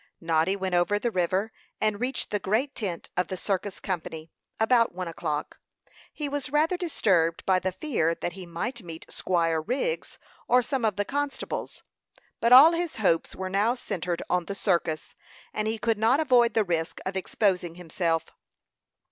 Noddy went over the river, and reached the great tent of the circus company about one o'clock. He was rather disturbed by the fear that he might meet Squire Wriggs, or some of the constables; but all his hopes were now centred on the circus, and he could not avoid the risk of exposing himself.